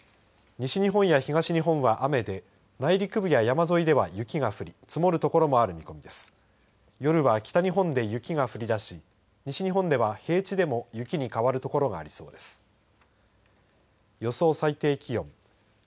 西日本や東日本は雨で内陸部や山沿いでは雪が降り積もる所もある見込みです。